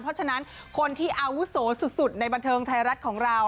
เพราะฉะนั้นคนที่อาวุโสสุดในบันเทิงไทยรัฐของเรา